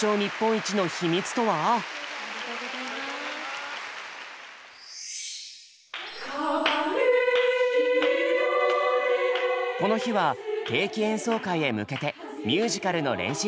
この日は定期演奏会へ向けてミュージカルの練習中。